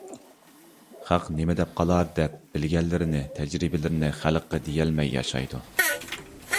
خەق نېمە دەپ قالار دەپ، بىلگەنلىرىنى، تەجرىبىلىرىنى خەلققە دېيەلمەي ياشايدۇ.